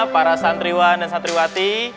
para santriwan dan santriwati